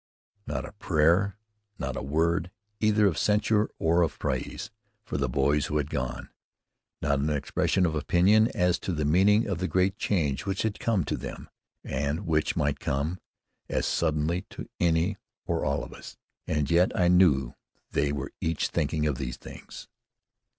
Not a prayer; not a word, either of censure or of praise, for the boys who had gone; not an expression of opinion as to the meaning of the great change which had come to them and which might come, as suddenly, to any or all of us. And yet I knew that they were each thinking of these things.